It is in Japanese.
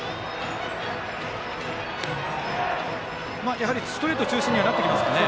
やはりストレート中心にはなってきますかね。